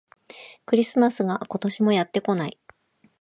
クリスマスが、今年もやってこない